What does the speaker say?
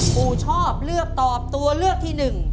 ปู่ชอบเลือกตอบตัวเลือกที่๑